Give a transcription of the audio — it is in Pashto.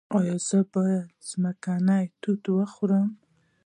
ایا زه باید ځمکنۍ توت وخورم؟